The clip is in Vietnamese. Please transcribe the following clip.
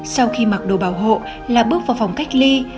sau khi mặc đồ bảo hộ là bước vào phòng cách ly